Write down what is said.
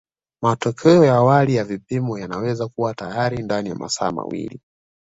Matokeo ya awali ya vipimo yanaweza kuwa tayari ndani ya masaa mawili